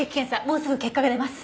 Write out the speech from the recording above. もうすぐ結果が出ます。